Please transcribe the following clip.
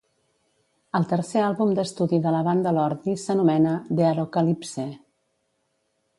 El tercer àlbum d'estudi de la banda Lordi s'anomena The Arockalypse.